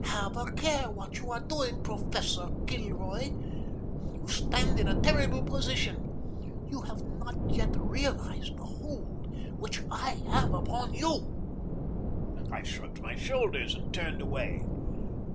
Have a care what you are doing, Professor Gilroy. You stand in a terrible position. You have not yet realized the hold which I have upon you." I shrugged my shoulders and turned away.